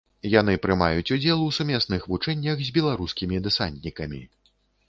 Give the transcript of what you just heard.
Яны прымаюць удзел у сумесных вучэннях з беларускімі дэсантнікамі.